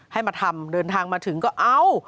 ให้มาทำเดินทางมาถึงก็เอา